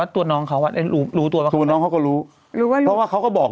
ว่าตัวน้องเขาอ่ะรู้รู้ตัวตัวน้องเขาก็รู้รู้ว่าเพราะว่าเขาก็บอก